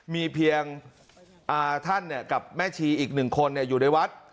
มีเพียงท่านกับแม่ชีอีก๑คนอยู่ในวัด